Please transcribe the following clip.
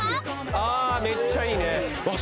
ああめっちゃいいねあっ